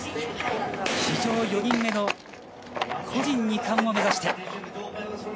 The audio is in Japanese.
史上４人目の個人２冠を目指して。